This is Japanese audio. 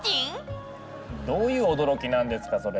どういう驚きなんですか？